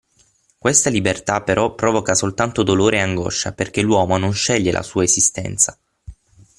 Questa libertà però provoca soltanto dolore e angoscia perché l'uomo non sceglie la sua esistenza.